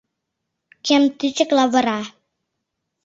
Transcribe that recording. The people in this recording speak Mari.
Кем тичак лавыра.